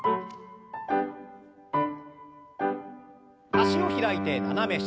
脚を開いて斜め下。